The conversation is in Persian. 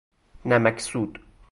نمک سود